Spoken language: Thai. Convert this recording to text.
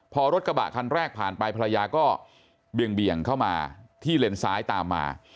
พอรถกระบะคันแรกผ่านไปภรรยาก็เบี่ยงเข้ามาที่เลนซ้ายตามมา